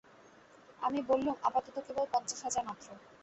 আমি বললুম, আপাতত কেবল পঞ্চাশ হাজার মাত্র।